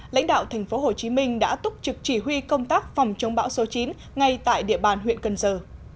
lãnh đạo tp hcm đã túc trực chỉ huy công tác phòng chống bão số chín ngay tại địa bàn huyện cần giờ